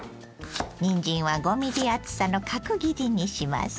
にんじんは５ｍｍ厚さの角切りにします。